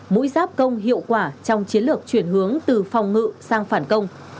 mũi giáp công hiệu quả trong chiến lược chuyển hướng từ phòng ngự sang phản công